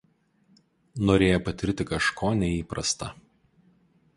norėję patirti kažko neįprasta